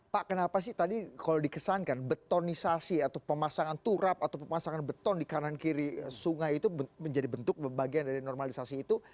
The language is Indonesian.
pak kenapa sih tadi kalau dikesankan betonisasi atau pemasangan turap atau pemasangan beton di kanan kiri sungai itu menjadi bentuk bagian dari normalisasi itu